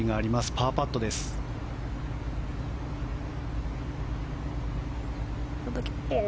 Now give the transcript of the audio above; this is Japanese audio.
パーパットでした。